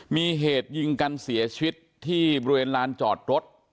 มีเหตุยิงกันเสียชีวิตที่บริเวณลานจอดรถ